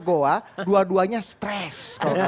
terbawa dua duanya stres